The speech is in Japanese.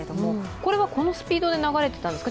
これはこのスピードで流れていたんですか？